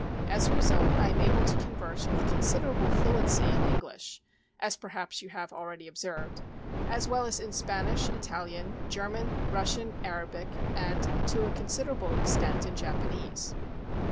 As a result I am able to converse with considerable fluency in English, as perhaps you have already observed, as well as in Spanish, Italian, German, Russian, Arabic, and, to a considerable extent, in Japanese.